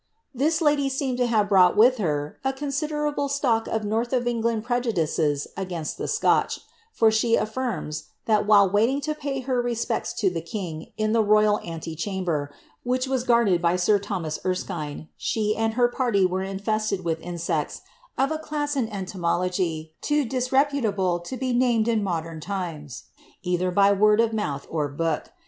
This lady seemed to have brought with her a considerable stock of north of Eng Imd prejudices against the Scotch, for she affirms, that while waiting to pay her respects to the king in the rojral ante chamber, which was ginrded by sir Thomas Erskine, she and her party were infested with insects of a class in entomology too disreputable to be named in modem tones, either by word of mouth or book.